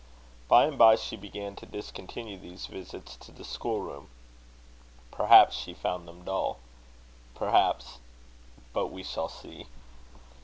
By and by she began to discontinue these visits to the schoolroom. Perhaps she found them dull. Perhaps but we shall see.